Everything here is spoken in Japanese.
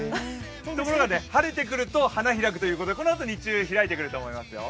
ところが晴れてくると花開くということでこのあと日中開いてくると思いますよ。